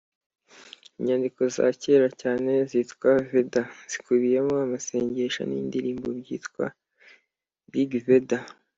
inyandiko za kera cyane zitwa veda, zikubiyemo amasengesho n’indirimbo byitwa rig-veda